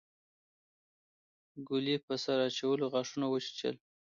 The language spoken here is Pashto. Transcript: ګلي په سر اچولو غاښونه وچيچل.